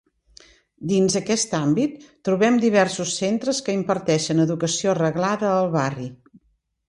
Dins aquest àmbit trobem diversos centres que imparteixen educació reglada al barri.